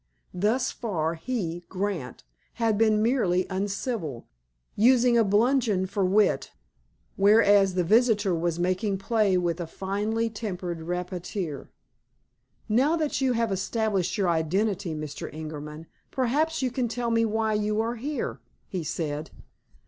Thus far, he, Grant, had been merely uncivil, using a bludgeon for wit, whereas the visitor was making play with a finely tempered rapier. "Now that you have established your identity, Mr. Ingerman, perhaps you will tell me why you are here," he said.